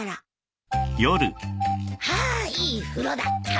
はぁいい風呂だった。